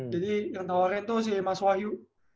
jadi yang tawarin tuh si mas wahyu